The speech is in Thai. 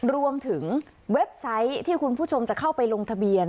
เว็บไซต์ที่คุณผู้ชมจะเข้าไปลงทะเบียน